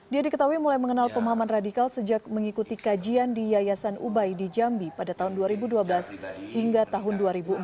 dia diketahui mulai mengenal pemahaman radikal sejak mengikuti kajian di yayasan ubai di jambi pada tahun dua ribu dua belas hingga tahun dua ribu empat